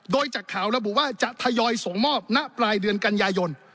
โดยจากข่าวระบุว่าจะทยอยส่งมอบณปลายเดือนกันยายน